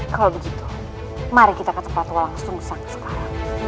kalau begitu mari kita ke tempat walang sungsang sekarang